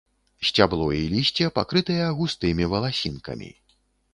Сцябло і лісце пакрытыя густымі валасінкамі.